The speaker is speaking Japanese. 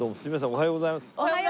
おはようございます。